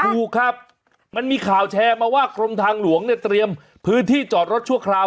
ถูกครับมันมีข่าวแชร์มาว่ากรมทางหลวงเนี่ยเตรียมพื้นที่จอดรถชั่วคราว